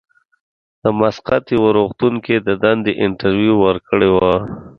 د مسقط یوه روغتون کې یې د دندې انټرویو ورکړې وه.